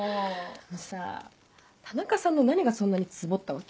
あのさ田中さんの何がそんなにツボったわけ？